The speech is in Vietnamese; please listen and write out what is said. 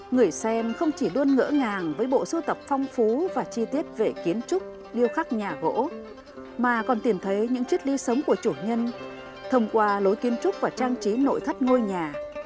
người xem không chỉ luôn ngỡ ngàng với bộ sưu tập phong phú và chi tiết về kiến trúc điêu khắc nhà gỗ mà còn tìm thấy những triết lý sống của chủ nhân thông qua lối kiến trúc và trang trí nội thất ngôi nhà